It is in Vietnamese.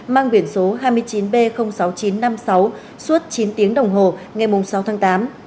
mang biển số hai mươi chín b sáu nghìn chín trăm năm mươi sáu suốt chín tiếng đồng hồ ngày sáu tháng tám